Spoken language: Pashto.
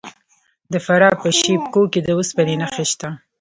د فراه په شیب کوه کې د وسپنې نښې شته.